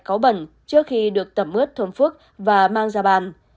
đã có bẩn trước khi được tẩm ướt thơm phức và mang ra bàn